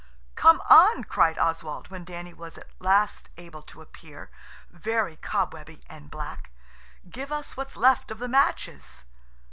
"Come on," cried Oswald, when Denny was at last able to appear, very cobwebby and black. "Give us what's left of the matches!"